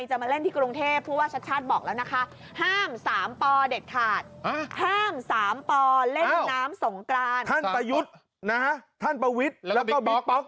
ท่านปวิทย์แล้วก็บิ๊กป๊อก